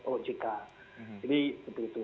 ojk jadi seperti itu